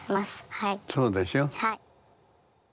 はい。